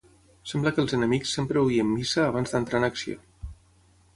Sembla que els enemics sempre oïen missa abans d'entrar en acció